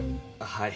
はい。